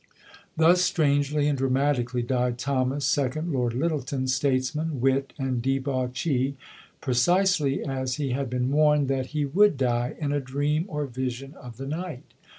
Thus strangely and dramatically died Thomas, second Lord Lyttelton, statesman, wit, and debauchee, precisely as he had been warned that he would die in a dream or vision of the night.